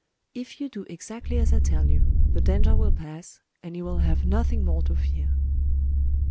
If you do exactly as I tell you, the danger will pass, and you will have nothing more to fear."